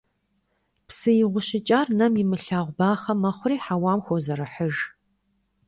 Псы игъущыкӀар нэм имылъагъу бахъэ мэхъури хьэуам хозэрыхьыж.